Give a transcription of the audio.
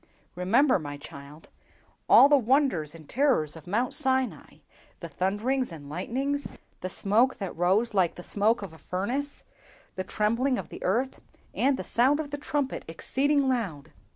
"Remember, my child, all the wonders and terrors of Mount Sinai—the thunders and lightnings, the smoke that rose like the smoke of a furnace, the trembling of the earth, and the sound of the trumpet exceeding loud!